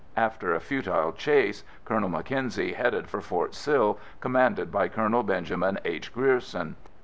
After a futile chase Colonel Mackenzie headed for Fort Sill, commanded by Colonel Benjamin H. Grierson.